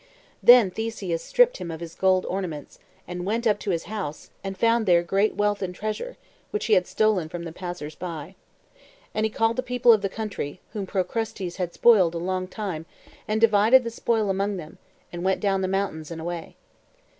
Then Theseus stripped him of his gold ornaments, and went up to his house, and found there great wealth and treasure, which he had stolen from the passers by. And he called the people of the country, whom Procrustes had spoiled a long time, and divided the spoil among them, and went down the mountains, and away.